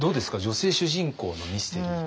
女性主人公のミステリー。